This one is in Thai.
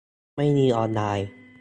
ไม่มีออนไลน์